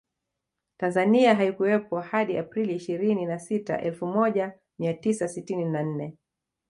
Tanzania haikuwepo hadi Aprili ishirini na sita Elfu moja mia tisa sitini na nne